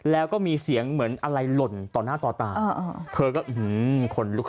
แล้วก็มีเสียงเหมือนอะไรหล่นต่อหน้าต่อตาเธอก็อื้อหือคนลุก